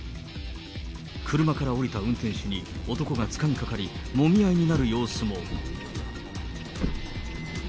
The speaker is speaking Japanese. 車から降りた運転手に男がつかみかかり、もみ合いになる様子も。